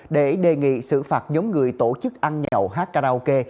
để đề nghị xử phạt giống người tổ chức ăn nhậu hát karaoke